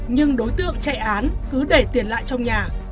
nhưng đối tượng chạy án cứ để tiền lại trong nhà